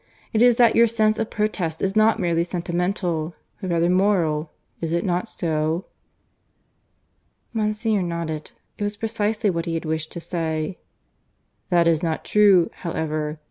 It is that your sense of protest is not merely sentimental, but rather moral; is it not so?" Monsignor nodded. It was precisely what he had wished to say. "That is not true, however.